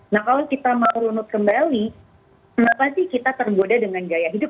nah kalau kita mau runut kembali kenapa sih kita tergoda dengan gaya hidup